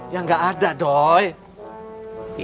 yang nggak ada doi